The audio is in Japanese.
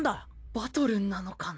バトルなのかな？